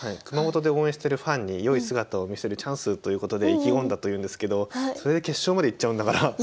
熊本で応援してるファンに良い姿を見せるチャンスということで意気込んだというんですけどそれで決勝まで行っちゃうんだから。